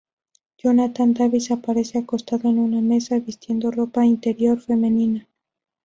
Jonathan Davis aparece acostado en una mesa vistiendo ropa interior femenina.